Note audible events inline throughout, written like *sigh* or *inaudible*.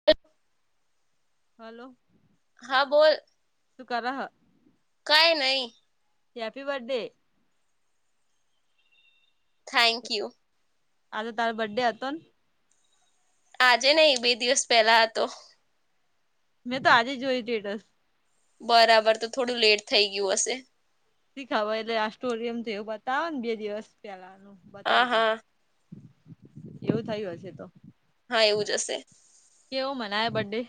*inaudible* Hello હા બોલ શુંકાર કઈ નહી હેપી બર્ડે થેન્ક યુ આજે તારો બર્થડે હતો ને આજે નહી બે દિવસ પેલા હતો મેં તો આજે જોય રટસ બરાબર તો થોડું લેટ થઈ ગયું હશે શી ખબર એટલે આ સ્ટોરયમ થ એવું બતાવો ને બે દિવસ પેલાનું હા બતાવી દે હા એવું થયું હશે તો હા એવું જ હશે કેવો મનાય બર્ડે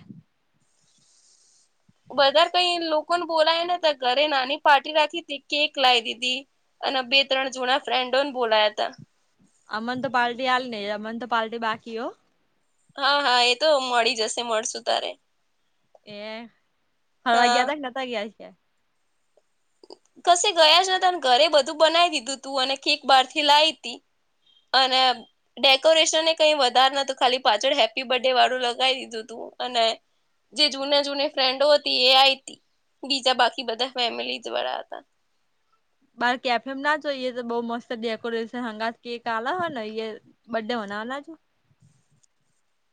બધા કઈ લોકોને બોલાય ને ઘરે નાની પાર્ટી રાખી હતી કેક લાવી દીધી અને બે ત્રણ જૂના ફ્રેન્ડોને બોલાયા હતા અમને તો પાર્ટી આલ નહી અમને તો પાર્ટી બાકી હો હા હા એ તો મળી જશે મળશું તારે એ ફરવા હા ગયા ત કે નતા ગયા કસે ગયા જ નતા ઘરે બધું બનાવી દીધું તું અને કેક બહાર થી લાવી તી અને ડેકોરેશન ને કઈ વધારે નું ખાલી પાછળ હેપ્પી બર્થ ડે વાળું લગાવી દીધું તું અને જે જૂના જૂની ફ્રેન્ડો હતી એ આ હતી, બીજા બાકી બધા ફેમિલી વાળા હતા. *inaudible* બાર કેફે ના જોઈએ, તો બઉ મસ્ત ડેકોરેશન હંગા કેક આલા હોય ને એ. બર્થડે મનવા ના જય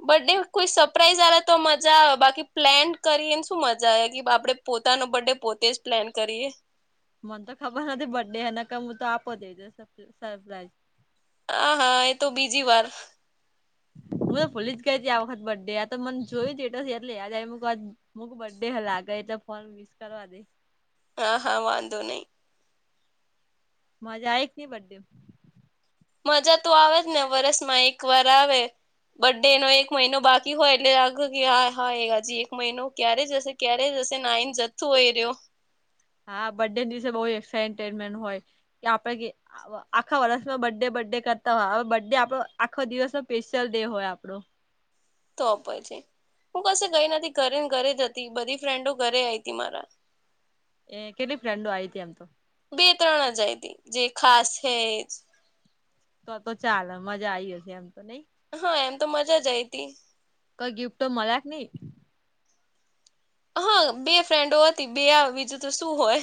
બર્થડે કોઈ સરપ્રાઈઝ હાલે તો મજા આવે, બાકી પ્લેન કરીને શું મજા આવે કે આપડે પોતાનો બર્થ ડે પોતે જ પ્લેન કરીએ, મને તો ખબર નથી બર્ડેને ક હું તો આપો દે સરપ્રાઈઝ *inaudible* આ હા એ તો બીજી વાર. હું તો ભૂલી જ ગઈ ત આ વખત બર્થ ડે આ તો મને જોયું ત એટ એટલેમ મક બર્ડે હલાાગે એટલે ફોન મિસ કરવા દે. હા હા વાંધો નહીં મજા આ એક નની બડ્ડે. મજા તો આવે જ ને વરસમાં એક વાર આવે. બડ્ ડે ન એક મહિનો બાકી હોય, એટલે આાગો કે હા હા એ હાજી એક મહિનો ક્યારે જશે. ક્યારેય જશે નાઈને જથ્થો હોય રહ્યો. હા બર્ડે દિવસે બહ એમેન્ટ હોય, કે આપડે આખા વર્ષમાં બ્ ડે બર્ ડે કરતા હોય હવે બ ડે આપો આખો દિવસ ન સ્પેશિયલ ડે હોય આપણો. તો પછી. હું કસે ગઈ નથી, ઘરે ને ઘરે જતી બધી ફ્રેન્ડો ઘરે આવીઈ હતી મારા. એ કેટલી ફ્રેન્ડો આ હતી એમ તો. બે ત્રણ હજાર દ જે ખાસ છે. તો તો ચાલ મજા આય હશે, એમ તો નઈ હા એમ તો મજા જ આઈ હતી. કઈ ગિફ્ટ મળલાક નહી, હા, બે ફ્રેન્ડો હતી બે બીજું તો શું હોય.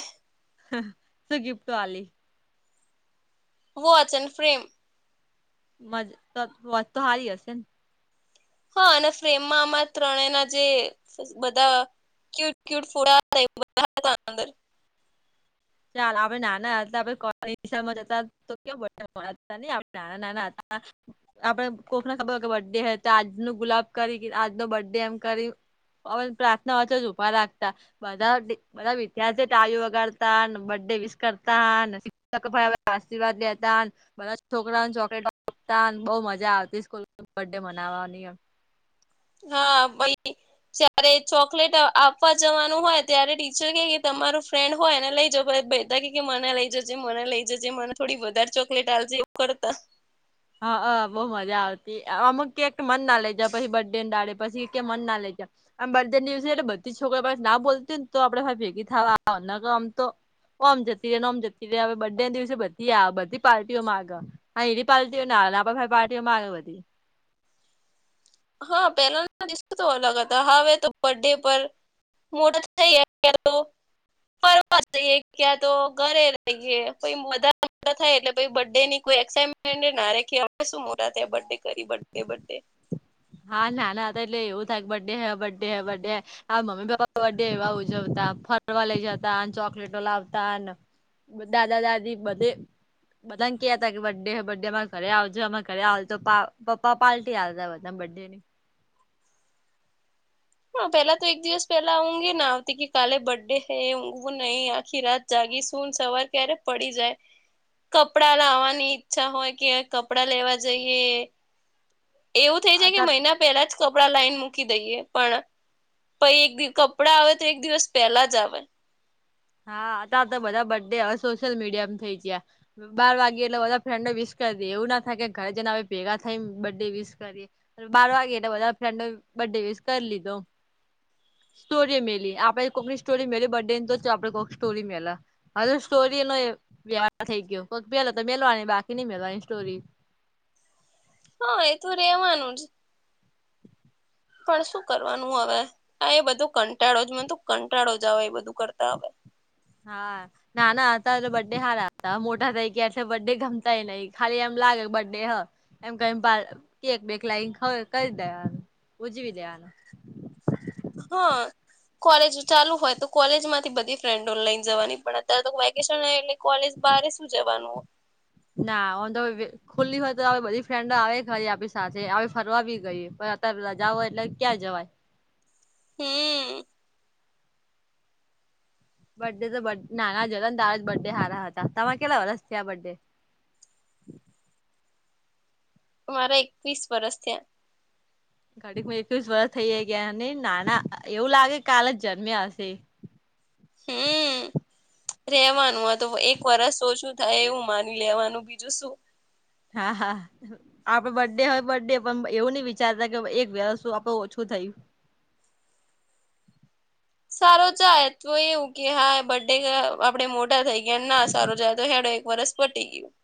*unintelligible* સુગિફ્ટ વાલી વોચ એન્ડ ફ્રેમ *unintelligible* વત તો સારી હશે ને હા, અને ફ્રેમમાં આમાં ત્રણેના જે બધા ક્યુટ ક્યટ ફૂડંદર *unintelligible* ચાલ આપણે નાના એટલે આપડે કોકની રીક્ષા મા જતા. તો કે બ હતા ન નાના નાના હતા, આપડે કોકને ખબર હોય કે બર્થ ડે હતો આજનો ગુલાબ કરી આજનો બર્થ ડે એમ કરી, અમને પ્રાર્થના વચ્ચે જ ઉભા રાખતા બધા બધા વિદ્યાર્થી ટાળી વગાડતા ને બરડે વિશ કરતા શિક્ષક *unintelligible* આશીર્વાદ દેતા, બધા છોકરાને ચોકલેટ આપતા બહુ મજા આવતી સ્કૂલ મા બર્ડે મનાવવાની એમ હા ભાઈ જય્યારે ચોકલેટ આપવા જવાનું હોય, ત્યારે ટીચર કે કે તમારું ફ્રેન્ડ હોય એને લઈ જવ ભ ભાઈ ત મને લઈ જજે મને લઈ જજે મને થોડી વધારે ચોકલેટ આાલજે એવુ કરતા હ અહ બહુ મજા આવતી અમુક ક મન ના લેજ પછી બર્ડે ડાડે પછી કે મન ના લેજ આમ બધા ન્યુઝ એટલે બધી છોકરી પાસે ના બોલતી ને તો આપડે ભેગી થવા આવે નકર આમ તો ઓમ જતી રે ને ઓમ જતી રે હવે બડે દિવસે બધી આવે બધી પાર્ટીઓમાંગ *unintelligible* *unintelligible* પાર્ટીઓમાં વધધી હા પેલા ના દિવસો તો અલગ હતા હવે તો બર્ડે પર *unintelligible* ફરવા જઈએ ક્યાં તો ઘરે રહીએ પછ બધાા થાય એટલે પ બડ ડે ની કો એક્સાટમેન્ટ નાખી શું મો ત બર્ે કરી બે બે હા નાના હતા એટલે એવું થાઈ બર્ડે હ બર્ડે હ બર્ડે આ મમ્મી પપ્પા બર્થ ડે એવા ઉજવતા ફરવા લઇ જતા ચોકલેટો લાવતાને બધા દાદા-દાદી બધે બધા ને કે હતા કે બર્થડે બર્ડે અમારે ઘરે આવજે અમે ઘરે આવજે તો પપા પાર્ટી હલતાધા *unintelligible* હા પહેલા તો એક દિવસ પહેલા ઉંગે ના આવતી કે કાલે બર્થડે હૈ ઉંગેવુ નહી આખી રાત જાગી સૂન સવાર ક્યારે પડી જાય. કપડા લાવવાની ઈચ્છા હોય કે કપડા લેવા જઈએ એવું થઇ છે કે અતાર મહિના પેલા જ કપડાં લઇન મૂકી દઈએ. પણ પ એકિવ કપડા આવે તો એક દિવસ પેલા જ આવે. હા અ ત તો બધા બડ્ડે હવે સોશિયલ મીડિયામાં થઇ ગયા. બાર વાગીે એટલે બધા ફ્રેન્ડો વિસ કરી દે એવું ના થાય કે ઘરે જને હવે ભેગા થઈને બર્ડે વિસ કરીએ. બાર વાગે એટલે બધા ફ્રેન્ડ બર્થડે વસ કરી લીધો. સ્ટોરી મેલી આપે કોકની સ્ટોરી મે બ ડે ની તો જ આપડે કોક સ્ટોરી મેલા હજ સ્ટોરી નો વ્યા થઈ ગયોક પેલો તો મેલવાની બાકી નઈ મેલવાની સ્ટોરી. હા એ તો રેવાનું જ પણ શું કરવાનું હવે એ બધું કંટાળો જ મું કંટાળો જ આવે એ બધું કરતા હ. હા. ના ના અત્યારે તો બર્ ડે હાર હતા મોટા થાય ગાર બર્ ડે ગમતાય નહિ ખાલી એમ લાગે બર્ ડે હ. એમ ક બે લાઈ કરી દેવાનું ઉજવી દેવાનું. હા કોલેજ ચાલુ હોય તો કોલેજ માંથી બધી ફ્રેન્ડ ઓનલાઈન જવાની પડે. અ્યારે તો વેકેશન એટલે કોલેજ બારે શું જવાનું. ના અંધ ખુલ્લી હોય તો બધી ફ્રેન્ડ આવે ખરી આપણી સાથે આવી ફરવા બ ગઈ પણ અત્યારે રજાઓ એટલે ક્યાં જવાય. હમ. બર્ ડે તો બ નાના જ હતા ને તારા જ બર્થ ડે સારા હતા. તમે કેટલા વરસ થ આ બર્થડે? અ મારા એકવીસ વરસ થયા ઘડી એકવીસ વરષ થઈ જ ગયા ને નાના એવું લાગે કાલ જ જન્મ્યા હશે. હમ. રેવાનું આ તો એક વરસ ઓછું થાય એવું માની લેવાનું બીજું શું. હા હા. આપડે બર્થ ડે હોય બર્થ ડે પણ એવું નઈ વિચારતા કે એક વ્યસ્ આપડે ઓછું થયું સારો જાય તો એવું કે હા બર્ડે આપડે મોટા થઈ ગયા ના સારો જાય તો ખેડો એક વરષ ફટી ગીયું.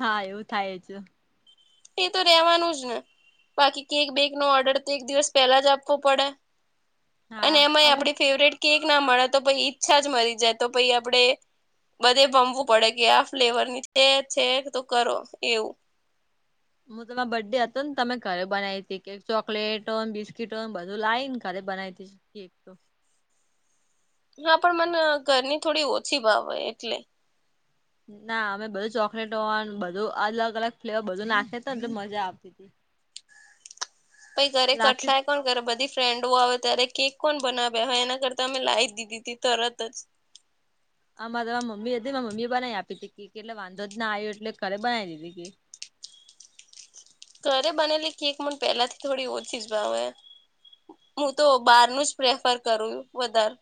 હા એવું થાય જ એ તો રેવાનું જ ને બાકી કેક બેક નો ઓર્ડર તો એક દિવસ પહેલા જ આપવો પડે. અને હા એમાં અમુક આપે ફેવરેટ કેક ના મળે તો પછ ઈચ્છા જ મરી જાય તો પાઈ આપણે બધે ભમવું પડે કે આ ફ્લેવર ની છે છે તો કરો એવું. હું તમારા બર્થ ડે હતો ને તમે ઘરે બનાવી હતી કે ચોકલેટોને બિસ્કીટોને બધું લાવ ને ઘરે બનાવી હતી. કેક. હા પણ મને ઘરની થોડી ઓછી ભાવ હોય એટલે. ના અમે બધું ચોકલેટો બધું અલગ અલગ ફ્લેવર બધું નાખે તો એટલે મજા આવતી હતી. પાઈ ઘરે લાગતી કઠલા કોણ કરે બધી ફ્રેન્ડો આવે ત્યારે કેક કોણ બનાવે્યા હવે એના કરતા અમે લાવી દીધી ત તરત જ. આ મારે મમ્મી હતી મામી એ બનાવી આપી હતી ક કે એટલે વાંધો જ ના આવ્યો એટલે ઘરે બનાવી દીધી. ઘરે બનેલી કેક મન પેલા થી થોડી ઓછીજ ભાવે. હું તો બહાર ન જ પ્રેફર કરું વધારે.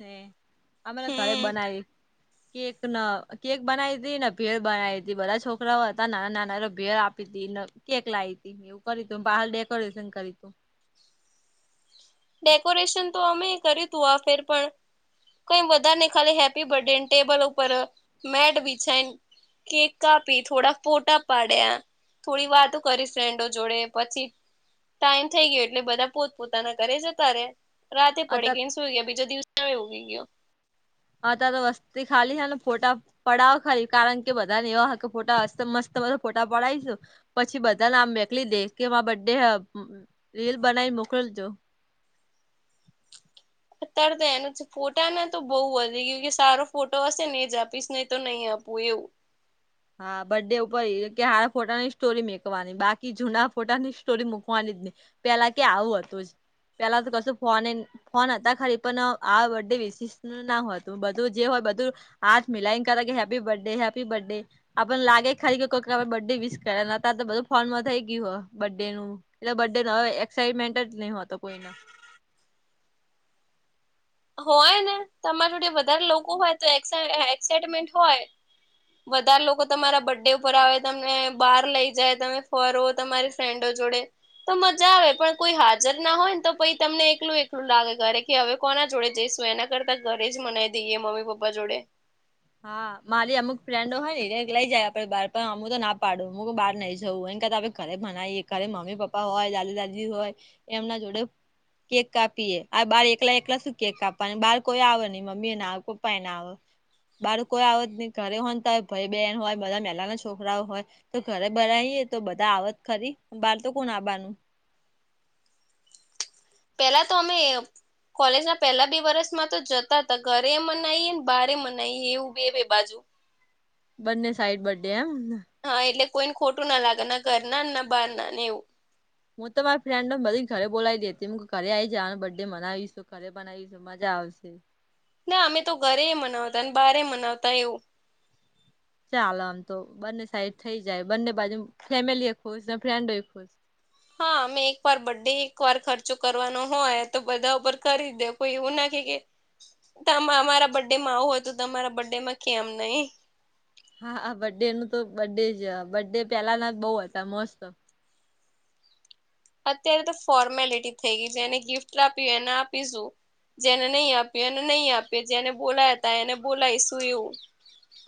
ને અમારા ઘરે હમ બનાવી. કેક ન કેક બનાવી હતી ને ભેળ બનાવી હતી બધા છોકરાઓ હતા નાના નાના ભેળ આપી હતી. કેક લાવી તી એવું કરી તું બહાર ડેકોરેશન કરી તું ડેકોરેશન તો અમે કર્યું તું આ ફેર પણ કઈ વધારે ને ખાલી હેપી બર્થ ડે ટેબલ ઉપર મેટ બીછાય કેક કાપી થોડા ફોટા પાડ્યા થોડી વાતો કરીશ ફ્રેન્ડો જોડે પછી ટાઈમ થઈ ગયો એટલે બધા પોતપોતાના કરે છે તારે રાતે અત પડી ગઈ ને સુું ગયા બીજા દિવસે હો ઉગી ગયો. હા તો વસ્તી ખાલી હે ને ફોટા પડાવો ખરી કારણ કે બધાને એવા કે ફોટા અસ્ત મસ્ત બધા ફોટા પડાઈશું. પછી બધા નામ મેકલી દે કે માર બરડે હે બે રીલ બનાવી મોકલજો. અત્યારે તો એનું ફોટાને તો બહુ વધી ગયું કે સારો ફોટો હશે ને એ જ આપીશ ને તો નહી આપું એવું. હા બરડે ઉપર એ કે હ ફોટાની સ્ટોરી મકવાની બાકી જૂના ફોટાની સ્ટોરી મૂકવાની જ ની. પેલા કે આવું હતું જ, પેલા તો કશું ફોને ફોન હતા ખરી પણ આ બડે વિશીશ ના હોતું બધું જે હોય બધું હાજ મિલાઈન કરે કે હેપી બર્થડે હેપી બર્થડે. આપને લાગે ખાલી કે કોઈક આપ બર્થ ડે વિસ કરે બધું ફોર્માં થઈ ગયું હોય બર્થ ડે નું. એટલે બરડે નો હવે એક્સાઈટમેન્ટ જ નહી હોતો કોઈને. હોય ને તમારે જોડે વધારે લોકો હોય તો એક્સાઈ એક્સાઈટમેન્ટ હોય. વધારે લોકો તમારા બરડે ઉપર આવે, તમને બહાર લઈ જાય, તમે ફરો તમારી ફેન્ડો જોડે. તો મજા આવે પણ કોઈ હાજર ના હોય ને તો પછ તમને એકલું એકલું લાગે ઘરે કે હવે કોના જોડે જઈશું એના કરતા ઘરે જ મનાવી દઈએ મમ્મી પપ્પા જોડે. હા, મારી અમુક ફ્રેન્ડો હોય ને લઈ જાય આપડે બાર પણ અમુ તો ના પાડું હું બહાર નહી જવું એન કરતા ઘરે જ મનાય ઘરે મમ્મી પપ્પા હોય, દાદી દાદી હોય એમના જોડે કેક કાપીએ આ બાર એકલા એકલા શું કેક કાવા બાર કોઈ આવે નહી મમ્મી ના, પપ્પા ના આવે કોઈ ન આવે. બાળકો આવત ની ઘરે હોનતા હોય ભાઈ, બહેન હોય બધા મહેલા ના છોકરાઓ હોય. તો ઘરે ભરાઈએ તો બધા આવત ખરી બહાર તો કોણ આવારનું? પેલા તો અમે કોલેજ ના પહેલા બે વર્ષમાં તો જતા હતા ઘરે એ મનાવી ને, બાર મનાવી એવું બે બે બાજુ. બન્ને સાઈડ બડે એમ? હા, એટલે કોઈને ખોટું ના લાગે ના ઘર ના ના બહાર ના ને એવું. હું તો મારી ફ્રેન્ડ બધી ઘરે બોલાવી લેતી હતી મ ઘરે આવી છેને બર્થે બનાવીશ, ઘરે બનાવીશ. મજા આવશે. ના અમે તો ઘરે મનાવતા અને બારે મનાવતા એવું. ચાલો આમ તો બંને સાઈડ થઇ જાય બંને બાજુ ફેમિલી એ ખુશ ને ફ્રેન્ડોય ખુશ. હા અમે એક વાર બડ ડે એક વાર ખર્ચો કરવાનો હોય તો બધા ઉપર કરી દે. કોઈ એવું નથી કે તમારા બર્ડે માં આવું હોય તો તમારા બર્ડે માં કેમ નહી. હા આ બર્થ ડે નું તો બડે જ બડે પેલાના જ બહુ હતા મસ્ત. અત્યારે તો ફોર્મેલિટી થઈ ગઈ છે એને ગિફ્ટ આપી એને આપીશું. જેને નહી આપ્યું એને નહી આપ્યું, જેને બોલાયા હતા એને બોલાયશું એવું.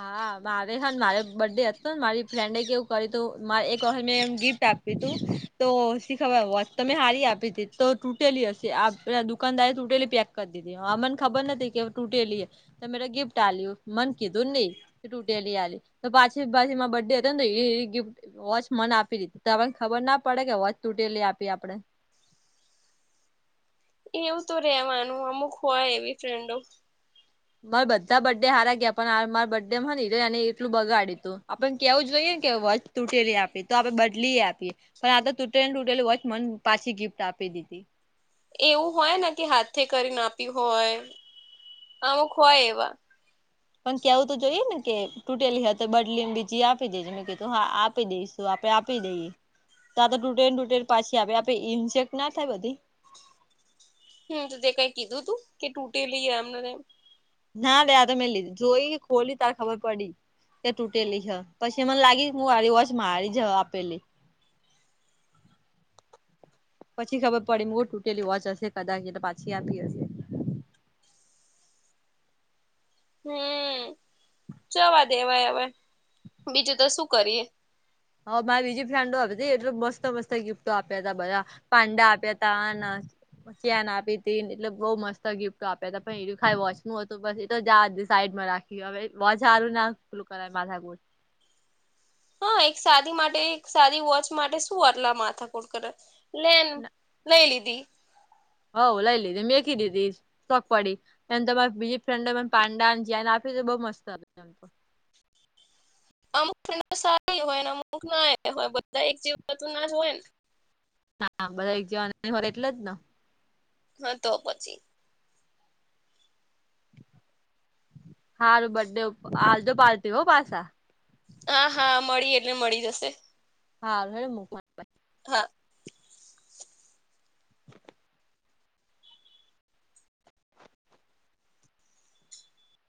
હા મારે હને મારે બર્થડે હતો ને મારી ફ્રેન્ડ કેવું કરીયું હતું મા એક વખત મેં એમ ગિફ્ટ આપ તી તું. તો શી ખબર હોત તમે હારી આપી તી તો તૂટેલી હશે આપ દુકાનદારે તૂટેલી પેક કરી દીધી અ મન ખબર નતી કે ટૂટેલી હે મે ત ગિફ્ટ આલી મન કીધ ધૂ નહી તૂટેલી આલી તો પાછી પાછી માર બરડે હતો ને એ ગિફ્ટ વચ મન આપી દીધી તોણ ખબર ના પડે કે વોચ તૂટેલી આપી આપડે. એવું તો રેવાનું અમુક હોય એવી ફ્રેન્ડો. મારે બધા બર્થડે હારા ગયા પણ આ મારા બર્ડે માંને એટલું બગાડ્યું તું આપણ કેવું જોઈએને કેવું તૂટેલી આપી તો આપણે બદલી આપીએ પણ આ તો તૂટેને તૂટેલી હોય મને પાછી ગિફ્ટ આપી દીધી. એવું હોય ને કે હાથે કરી ને આપી હોય, અમુક હોય એવા. પણ કેવું તો જોઈએ ને કે તૂટેલી હતી બદલી બીજી આપી દેજે મેં કીધું હા આપી દઈશ. તો આપડે આપી દઈએ તો આ તો ટૂટેન ટૂટેન પાછી આપ આપે ઇન્સેક્ટ ના થાય બધી હમ્મ, તો તે કઈ કીધું તું કે તૂટે લઈએ એમ? ના બેે તો મેં લીધી જોઈ ખોલી તાર ખબર પડી. કે તૂટેલી હે પછી મને લાગી હું વારી વોચ મારી જ આપેલી. પછી ખબર પડી મુ તૂટેલી વોચ હશે કદાચ એટલે પાછી આપી હશે. હમ્મ જવા દેવા એવા બીજું તો શું કરીએ. હ મારી બીજી ફ્રેન્ડો આવી હતી એટ મસ્ત મસ્ત ગિફ્ટો આપ્યા તા બધા. પાંડા આપ્યા ત ચેન આપી તી એટલે બઉુ મસ્ત ગિફ્ટ આપ્યા હતા પણ એ તો ખાલી વોચ નું હતું બસ એટ જ સાઈડમાં રાખી. હવે બજારું ના ખલું કર માધા હા એક સાદી માટે એક સાદી વોચ માટે શું આટલા માથાકુડ કરે. લે લઈ લીધી. હવ લઈ લીધી મેં કીધી તી શોખ પડી એ તમારે બીજી ફ્રેન્ડ પાંડા ચેન આપી બઉ મસ્ત આવે. અમુક સારી હોયને અમુક ના હોય બધા એક જીવતું ના જ હોય ને. હા બધા એક જેવા એટલે જ ને. હા તો પછી. હારું બડે આલજો પાર્ટી હો પાછા હા હા મળી એટલે મળી જશે હારુ હેડો મૂકું હા.